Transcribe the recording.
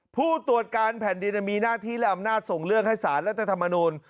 ผู้ตรวจการแผ่นดินมีหน้าที่และอำนาจส่งเรื่องให้สารรัฐธรรมนูล